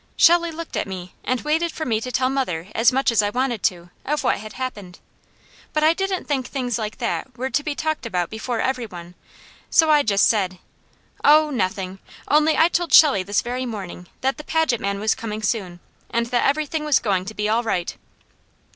Shelley looked at me, and waited for me to tell mother as much as I wanted to, of what had happened. But I didn't think things like that were to be talked about before every one, so I just said: "Oh nothing! Only, I told Shelley this very morning that the Paget man was coming soon, and that everything was going to be all right."